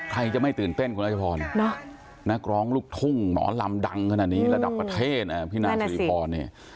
ใครจะไม่ตื่นเต้นคุณรัชพรนักร้องลูกทุ่งหมอลำดังขนาดนี้ระดับประเทศพี่นางสิริพรเนี่ย